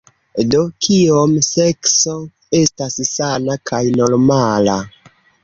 Do, Kiom sekso estas sana kaj normala?